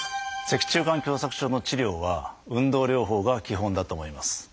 脊柱管狭窄症の治療は運動療法が基本だと思います。